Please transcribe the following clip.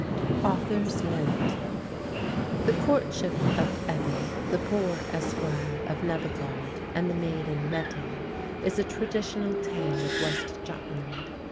The courtship of Ebbe, the poor esquire of Nebbegaard, and the maiden Mette is a traditional tale of West Jutland.